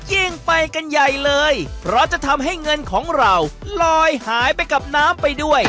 ยิ่งไปกันใหญ่เลยเพราะจะทำให้เงินของเราลอยหายไปกับน้ำไปด้วย